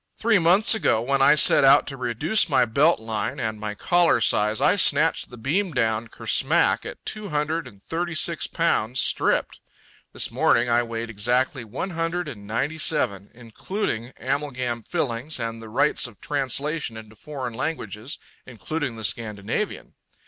Three months ago, when I set out to reduce my belt line and my collar size, I snatched the beam down ker smack at two hundred and thirty six pounds, stripped. This morning I weighed exactly one hundred and ninety seven, including amalgam fillings and the rights of translation into foreign languages, including the Scandinavian.